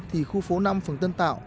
thì khu phố năm phần tân tạo